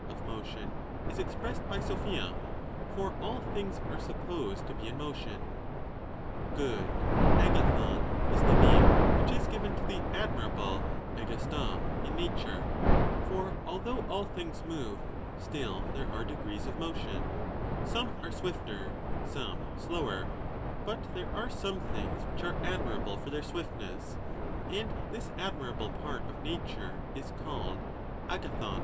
of motion is expressed by ao(pia, for all things are supposed to be in motion. Good {dyaSbv) is the name which is given to the admirable (dyaaru)) in nature ; for, although all things move, still there are degrees of motion ; some are swifter, some slower ; but there are some things which are admirable for their swiftness, and this admirable part of nature is called dyadov.